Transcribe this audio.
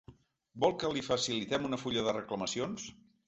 Vol que li facilitem una fulla de reclamacions?